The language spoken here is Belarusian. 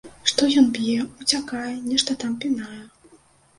Што ён б'е, уцякае, нешта там пінае.